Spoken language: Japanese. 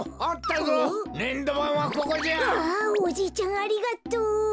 あおじいちゃんありがとう。